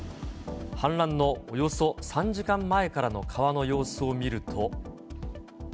氾濫のおよそ３時間前からの川の様子を見ると。